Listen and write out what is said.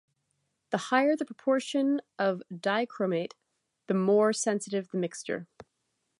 The higher the proportion of dichromate, the more sensitive the mixture.